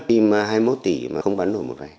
im hai mươi một tỷ mà không bắn nổi một vài